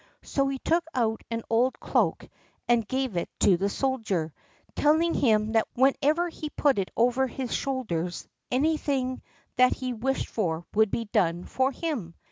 So he took out an old cloak and gave it to the soldier, telling him that whenever he put it over his shoulders anything that he wished for would be done for him.